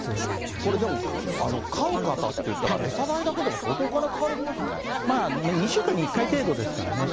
これでも、飼う方っていったら餌代だけでも相当お金かかりま２週間に１回程度ですからね。